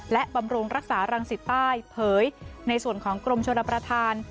และบำรุงรักษารังสิตใต้เผยในส่วนของกรมชนประธาน